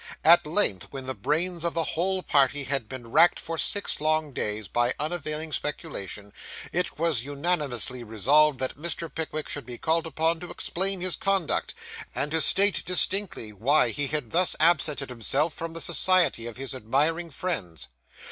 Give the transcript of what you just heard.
At length, when the brains of the whole party had been racked for six long days, by unavailing speculation, it was unanimously resolved that Mr. Pickwick should be called upon to explain his conduct, and to state distinctly why he had thus absented himself from the society of his admiring friends.